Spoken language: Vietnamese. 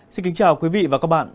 xin kính chào quý vị và các bạn